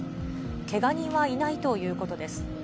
けが人はいないということです。